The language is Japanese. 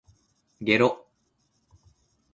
げろ